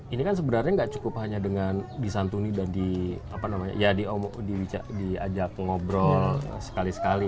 ini kan sebenarnya nggak cukup hanya dengan disantuni dan diajak ngobrol sekali sekali